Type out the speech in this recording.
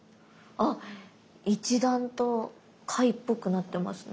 あっ一段と貝っぽくなってますね。